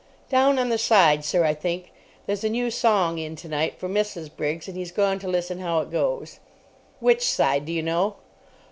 "Down on the side, sir, I think. There's a new song in tonight for Mrs. Briggs, and he's gone to listen how it goes." "Which side, do you know?"